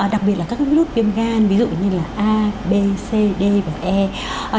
đặc biệt là các virus viêm gan ví dụ như là a b c d và e